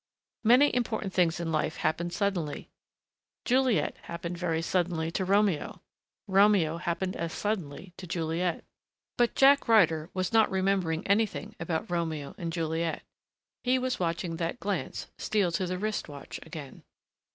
Many important things in life happen suddenly. Juliet happened very suddenly to Romeo. Romeo happened as suddenly to Juliet. But Jack Ryder was not remembering anything about Romeo and Juliet. He was watching that glance steal to the wrist watch again.